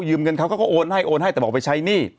เงินเขาก็โอนให้โอนให้แต่บอกไปใช้หนี้